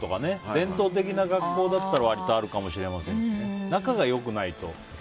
伝統的な学校だったら割とあるかもしれませんけど仲が良くないと。